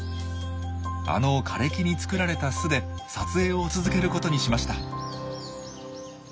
あの枯れ木に作られた巣で撮影を続けることにしました。